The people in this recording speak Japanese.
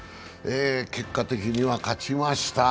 結果的には勝ちました。